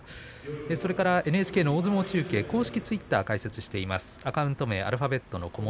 それからＮＨＫの大相撲中継公式ツイッターを開設しています。